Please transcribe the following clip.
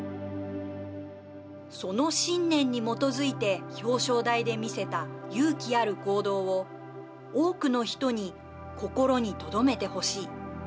その信念に基づいて表彰台で見せた勇気ある行動を多くの人に心にとどめてほしい。